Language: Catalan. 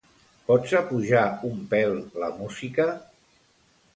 Pots apujar un pèl la música?